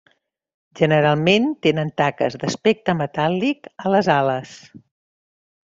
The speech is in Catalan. Generalment tenen taques d'aspecte metàl·lic a les ales.